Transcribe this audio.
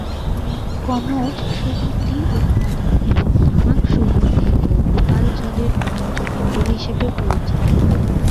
কনৌজ সুগন্ধী উৎপাদন এবং তামাক, সুগন্ধী ও গোপাল জলের বাণিজ্যকেন্দ্র হিসেবে পরিচিত।